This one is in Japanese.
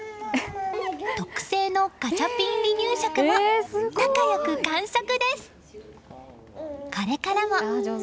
特製のガチャピン離乳食も仲良く完食です